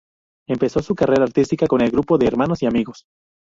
Empezó su carrera artística con el grupo "Hermanos y Amigos".